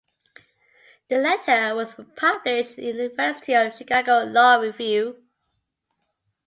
The letter was published in the "University of Chicago Law Review".